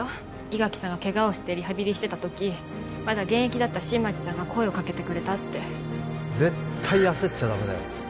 伊垣さんがケガをしてリハビリしてた時まだ現役だった新町さんが声をかけてくれたって絶対焦っちゃダメだよ